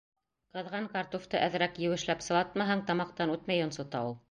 Ҡыҙған картуфты әҙерәк еүешләп-сылатмаһаң, тамаҡтан үтмәй йонсота ул.